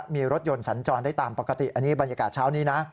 มีรถยนต์สัญจรได้ตามปกติอันนี้บรรยากาศเช้านี้นะ